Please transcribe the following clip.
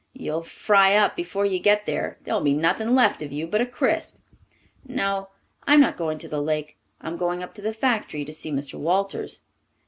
You'll fry up before you get there. There'll be nothing left of you but a crisp." "No, I'm not going to the Lake. I'm going up to the factory to see Mr. Walters."